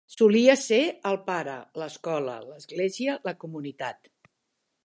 Solia ser el pare, l'escola, l'església, la comunitat.